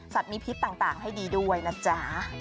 มีพิษต่างให้ดีด้วยนะจ๊ะ